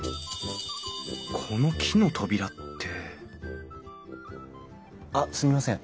この木の扉ってあっすみません。